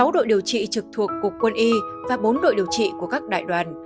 sáu đội điều trị trực thuộc cục quân y và bốn đội điều trị của các đại đoàn